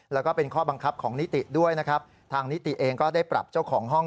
แล้วก็เป็นข้อบังคับของนิติด้วยนะครับทางนิติเองก็ได้ปรับเจ้าของห้อง